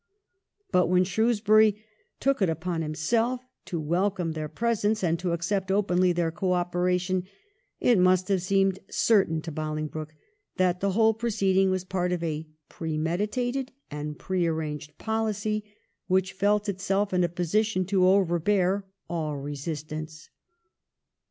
But when Shrewsbury took it upon himself to welcome their presence and to accept openly their co operation it must have seemed certain to Boling broke that the whole proceeding was part of a pre meditated and prearranged policy which felt itself in a position to overbear all resistance.